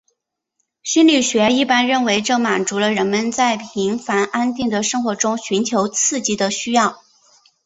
心理学一般认为这满足了人们在平凡安定的生活中寻求刺激的需要。